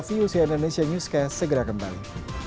vusi indonesia newscast segera kembali